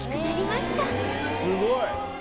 すごい！